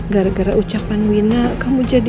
gara gara ucapan wina kamu jadi